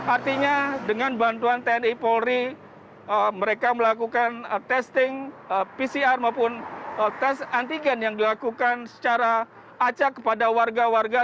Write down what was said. artinya dengan bantuan tni polri mereka melakukan testing pcr maupun tes antigen yang dilakukan secara acak kepada warga warga